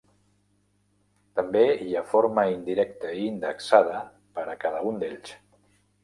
També hi ha forma indirecta i indexada per a cada un d'ells.